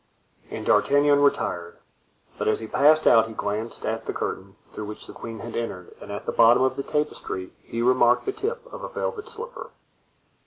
And D'Artagnan retired, but as he passed out he glanced at the curtain through which the queen had entered and at the bottom of the tapestry he remarked the tip of a velvet slipper.